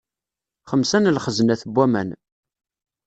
Xemsa n lxeznat n waman.